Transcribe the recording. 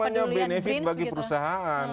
dan itu semuanya benefit bagi perusahaan